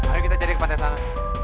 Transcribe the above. ayo kita jadikan ke pantai sana